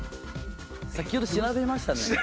先ほど調べましたね？